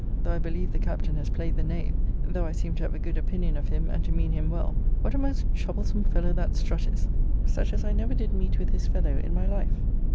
though I believe the Captain has played the knave, though I seem to have a good opinion of him and to mean him well, what a most troublesome fellow that Strutt is, such as I never did meet with his fellow in my life.